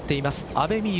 阿部未悠。